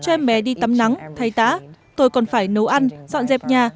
cho em bé đi tắm nắng thay tã tôi còn phải nấu ăn dọn dẹp nhà